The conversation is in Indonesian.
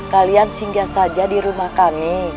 kalian singgah saja di rumah kami